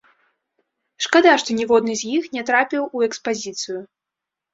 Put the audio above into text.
Шкада, што ніводны з іх не трапіў у экспазіцыю.